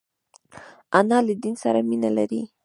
انا له دین سره مینه لري